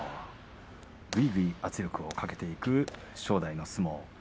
ぐいぐい圧力をかけていく正代の相撲。